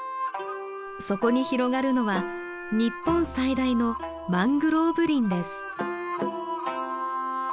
そこに広がるのは日本最大のマングローブ林です。